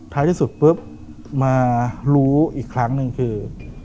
ที่สุดปุ๊บมารู้อีกครั้งหนึ่งคือ